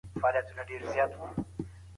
د لږکيو مذهبي مراسم په آزادي ترسره کيږي.